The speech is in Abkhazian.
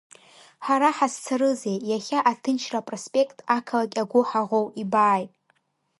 Хара ҳазцарызеи, иахьа Аҭынчра апроспект, ақалақь агәы ҳаӷоу ибааит.